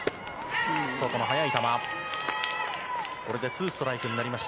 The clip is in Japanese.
外の速い球。